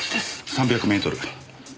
３００メートル。